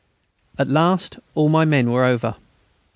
At last all my men were over.